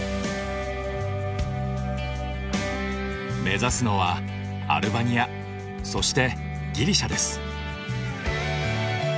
目指すのはアルバニアそしてギリシャです。